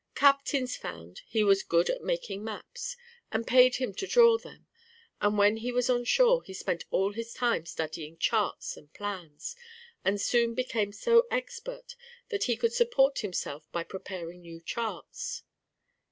Captains found he was good at making maps, and paid him to draw them, and when he was on shore he spent all his time studying charts and plans, and soon became so expert that he could support himself by preparing new charts.